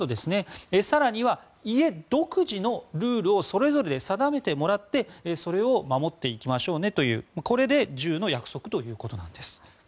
更には家独自のルールを定めてもらってそれを守っていきましょうねというこれで１０の約束ということです。